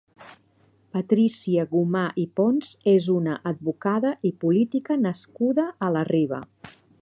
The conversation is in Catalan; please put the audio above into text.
Patrícia Gomà i Pons és una advocada i política nascuda a la Riba.